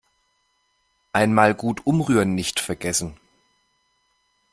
Einmal gut umrühren nicht vergessen.